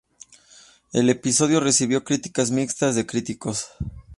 El episodio recibió críticas mixtas de críticos.